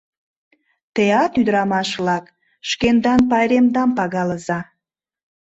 Теат, ӱдырамаш-влак, шкендан пайремдам пагалыза.